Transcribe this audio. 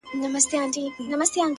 • چي محفل د شرابونو به تيار وو,